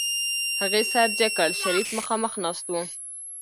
هغې سر جګ کړ شريف مخاخ ناست و.